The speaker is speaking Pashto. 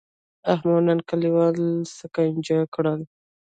احمد نن کلیوال سکنجه کړل.